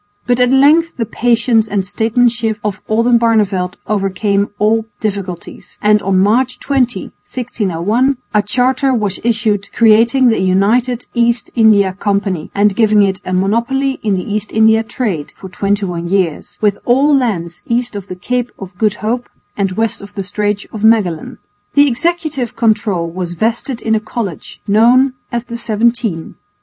But at length the patience and statesmanship of Oldenbarneveldt overcame all difficulties, and on March 20,1601, a charter was issued creating the United East India Company and giving it a monopoly of the East India trade (for 21 years) with all lands east of the Cape of Good Hope and west of the Straits of Magellan. The executive control was vested in a College known as the Seventeen.